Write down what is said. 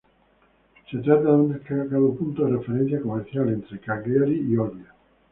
Se trata de un destacado punto de referencia comercial entre Cagliari y Olbia.